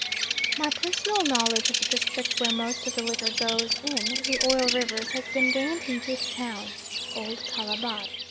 My personal knowledge of the district where most of the liquor goes in the Oil Rivers has been gained in Duke Town, Old Calabar.